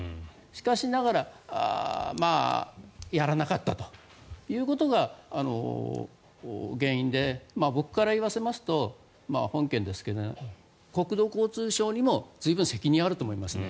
しかしながらやらなかったということが原因で僕から言わせますと本件ですけど国土交通省にも随分責任があると思いますね。